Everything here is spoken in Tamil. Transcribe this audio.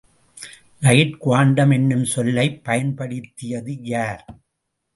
லைட் குவாண்டம் என்னும் சொல்லலைப் பயன்படுத்தியது யார்?